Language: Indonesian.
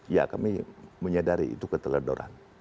ya kami menyadari itu keteledoran